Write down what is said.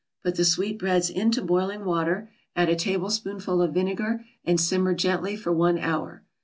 Put the sweetbreads into boiling water, add a tablespoonful of vinegar, and simmer gently for one hour.